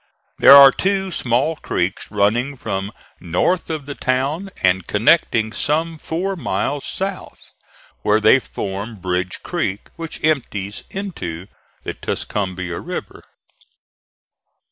There are two small creeks running from north of the town and connecting some four miles south, where they form Bridge Creek which empties into the Tuscumbia River.